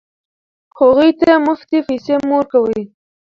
هغوی ته مفتې پیسې مه ورکوئ.